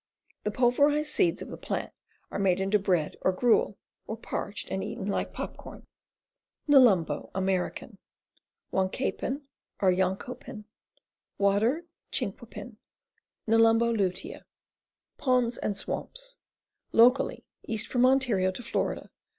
The pulverized seeds of the plant are made into bread or gruel, or parched and eaten like popcorn. Nelumbo, American. Wankapin or Yoncopin. Water Chinquapin. Nelumbo lutea. Ponds and swamps. Locally east from Ontario to Fla.